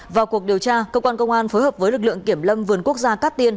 vào cuộc điều tra cơ quan công an phối hợp với lực lượng kiểm lâm vườn quốc gia cát tiên